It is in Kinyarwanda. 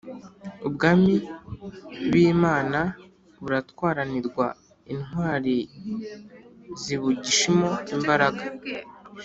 Ubwami b’imana buratwaranirwa intwari zibugishimo imbaraga